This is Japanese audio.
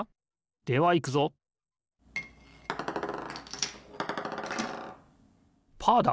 ではいくぞパーだ！